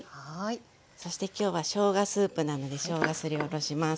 そしてきょうはしょうがスープなのでしょうがすりおろします。